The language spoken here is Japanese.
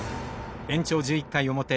延長１１回表。